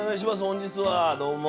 本日はどうも。